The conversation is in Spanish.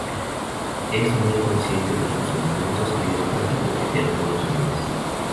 Es muy consciente de sus encantos y le encanta coquetear con los hombres.